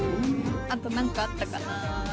あと何かあったかな？